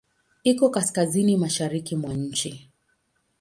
Iko kaskazini-mashariki mwa nchi.